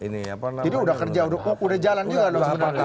jadi sudah kerja sudah jalan juga loh sebenarnya